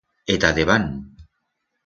E ta debant!